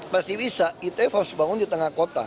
pasti bisa itf harus dibangun di tengah kota